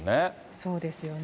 そうですよね。